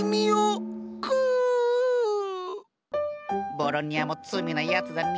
ボロニアも罪なやつだね。